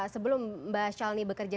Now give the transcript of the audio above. sebelum mbak shalini bekerja